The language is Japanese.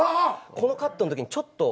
このカットのときにちょっと。